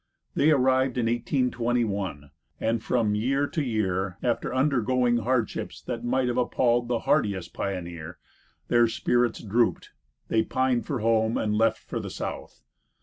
They arrived in 1821, and from year to year, after undergoing hardships that might have appalled the hardiest pioneer, their spirits drooped, they pined for home, and left for the south.